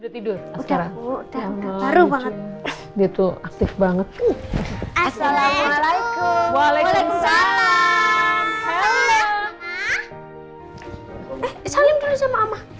udah tidur sekarang baru banget gitu aktif banget assalamualaikum waalaikumsalam